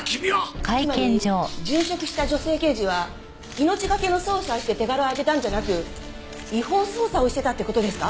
つまり殉職した女性刑事は命懸けの捜査をして手柄を上げたんじゃなく違法捜査をしてたって事ですか？